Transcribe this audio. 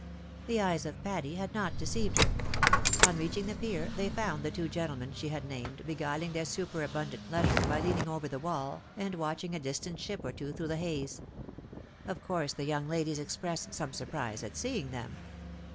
The eyes of Patty had not deceived her : on reaching the pier they found the two gentlemen she had named, beguiling their superabimdant leisure by leaning over the wall, and watch ing a distant ship or two through the haze. Of course the young ladi^ expressed some surprise at seeing them.